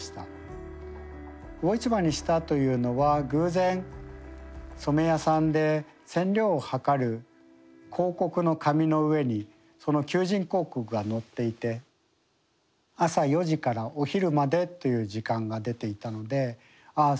魚市場にしたというのは偶然染め屋さんで染料をはかる広告の紙の上にその求人広告が載っていて朝４時からお昼までという時間が出ていたのでああ